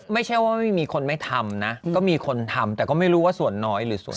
ไม่ใช่ว่าไม่มีคนไม่ทำนะก็มีคนทำแต่ก็ไม่รู้ว่าส่วนน้อยหรือส่วน